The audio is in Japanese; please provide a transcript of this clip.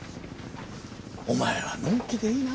お前はのんきでいいな。